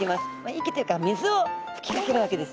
息っていうか水を吹きかけるわけですね。